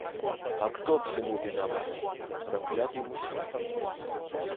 А кто всему виноват? проклятый мусье.